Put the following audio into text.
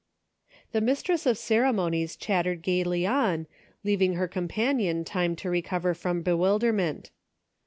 The mistress of ceremonies chattered gayly on, leaving her companion time to recover from bewil derment.